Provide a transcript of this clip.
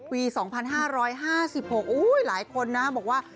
ปี๒๕๕๖หลายคนนะบอกว่า